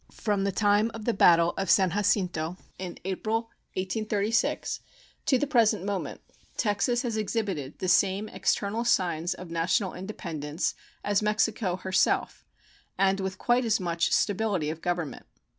From the time of the battle of San Jacinto, in April, 1836, to the present moment, Texas has exhibited the same external signs of national independence as Mexico herself, and with quite as much stability of government.